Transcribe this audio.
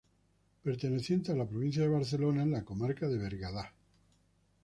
Perteneciente a la provincia de Barcelona, en la comarca del Bergadá.